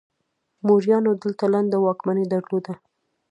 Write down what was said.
موریانو دلته لنډه واکمني درلوده